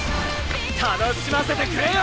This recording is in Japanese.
楽しませてくれよ！